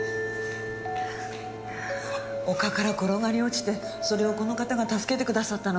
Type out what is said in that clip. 丘から転がり落ちてそれをこの方が助けてくださったの。